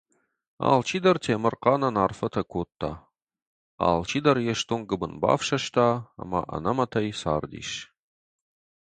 Алчидӕр Темырхъанӕн арфӕтӕ кодта, алчидӕр йе стонг гуыбын бафсӕста ӕмӕ ӕнӕмӕтӕй цардис.